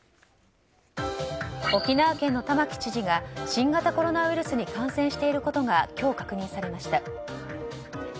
沖縄県の玉城知事が新型コロナウイルスに感染していることが今日、確認されました。